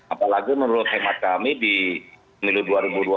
apalagi menurut khidmat kami di miliu dua ribu dua puluh empat ini